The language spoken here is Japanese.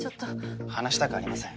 話したくありません。